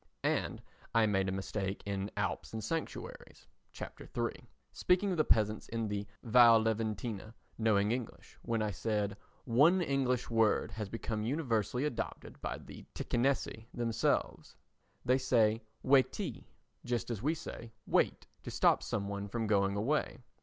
And I made a mistake in Alps and Sanctuaries [Chap. III], speaking of the peasants in the Val Leventina knowing English, when I said "One English word has become universally adopted by the Ticinesi themselves. They say 'Waitee' just as we should say 'Wait' to stop some one from going away.